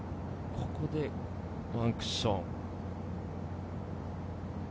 ここでワンクッション。